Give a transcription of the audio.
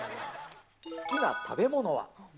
好きな食べ物は。